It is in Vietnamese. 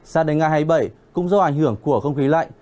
sao đến ngày hai mươi bảy cũng do ảnh hưởng của không khí lạnh